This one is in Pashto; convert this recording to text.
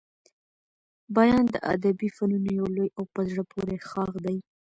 بیان د ادبي فنونو يو لوی او په زړه پوري ښاخ دئ.